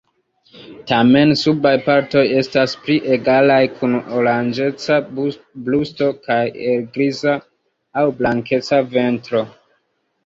Tamen subaj partoj estas pli egalaj kun oranĝeca brusto kaj helgriza aŭ blankeca ventro.